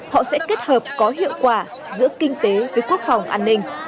họ sẽ kết hợp có hiệu quả giữa kinh tế với quốc phòng an ninh